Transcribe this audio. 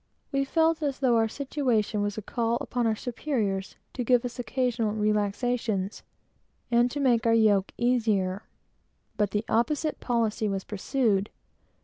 We felt as though our situation was a call upon our superiors to give us occasional relaxations, and to make our yoke easier. But the contrary policy was pursued.